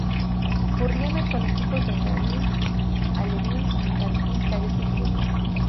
Churriana, con equipos benjamín, alevín, infantil, cadete y juvenil.